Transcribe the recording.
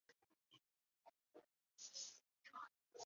该物种的模式产地在荷兰。